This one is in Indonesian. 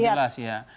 sudah jelas ya